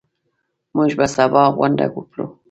موږ به سبا غونډه وکړو.